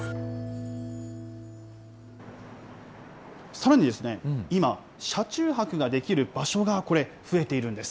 さらに、今、車中泊ができる場所が増えているんです。